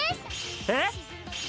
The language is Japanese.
えっ？